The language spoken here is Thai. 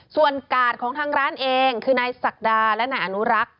ส่วนกาดของทางร้านเองคือนายศักดาและนายอนุรักษ์